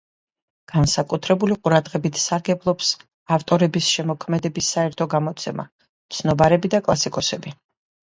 განსაკუთრებული ყურადღებით სარგებლობს ავტორების შემოქმედების საერთო გამოცემა, ცნობარები და კლასიკოსები.